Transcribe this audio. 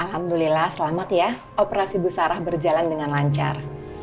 alhamdulillah selamat ya operasi bu sarah berjalan dengan lancar